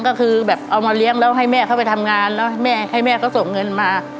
ก็คือแบบเอามาเลี้ยงแล้วให้แม่เข้าไปทำงานแล้วแม่ให้แม่เขาส่งเงินมา